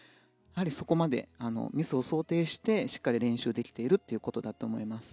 そこまでミスを想定してしっかり練習できているということだと思います。